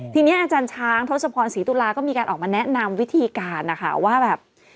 ทีนี้อาจารย์ช้างทศพรศรีตุลาก็มีการออกมาแนะนำวิธีการนะคะว่าแบบ